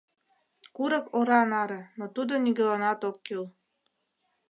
Курык ора наре, но тудо нигӧланат ок кӱл.